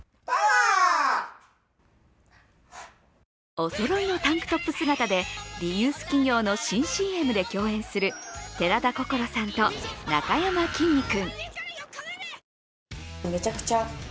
おそろいのタンクトップ姿でリユース企業の新ＣＭで共演する寺田心さんと、なかやまきんに君。